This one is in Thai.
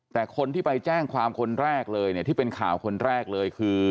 แต่คนที่ไปแจ้งความคนแรกเลยเนี่ยที่เป็นข่าวคนแรกเลยคือ